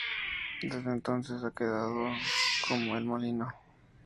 Desde entonces ha quedado como El Molino.